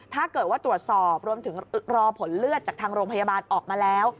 ถ้าเกิดว่าตรวจสอบรวมถึงรอผลเลือดจากทางโรงพยาบาลออกมาแล้ว